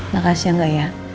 makasih ya enggak ya